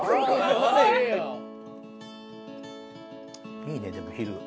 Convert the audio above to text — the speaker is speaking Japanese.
いいねでも昼。